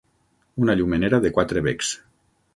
Una llumenera de quatre becs.